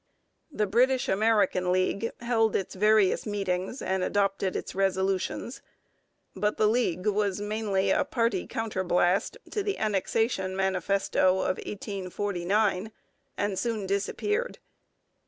The British American League held its various meetings and adopted its resolutions. But the League was mainly a party counterblast to the Annexation Manifesto of 1849 and soon disappeared.